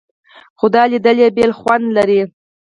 خو دا لیدل بېل خوند لري.